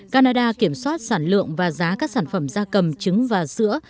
canada kiểm soát sản lượng và giá các sản phẩm da cầm trứng và sữa